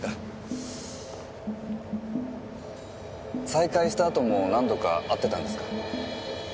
再会したあとも何度か会ってたんですか？